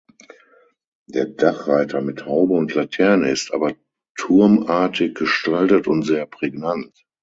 Der Dachreiter mit Haube und Laterne ist aber turmartig gestaltet und sehr prägnant.